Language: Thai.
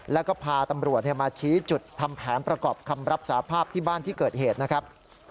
แล้วก็พาตำรวจมาชี้จุดทำแผนประกอบคำรับสาภาพที่บ้านที่เกิดเหตุนะครับ